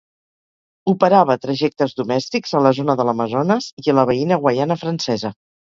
Operava trajectes domèstics a la zona de l'Amazones i a la veïna Guaiana Francesa.